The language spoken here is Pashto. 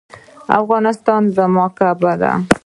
افغانستان زما کعبه ده؟